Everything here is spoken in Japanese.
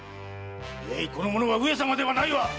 ええいこの者は上様ではないわ！